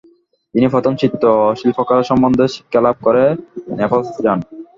তিনি প্রথম চিত্র শিল্পকলা সম্বন্ধে শিক্ষালাভ করে নেপলস যান।